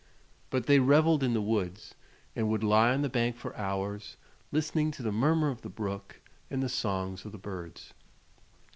But they reveled in the woods, and would lie on the bank for hours listening to the murmur of the brook and the songs of the birds.